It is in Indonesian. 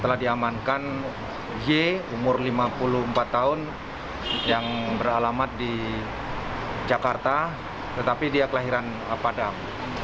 telah diamankan y umur lima puluh empat tahun yang beralamat di jakarta tetapi dia kelahiran padang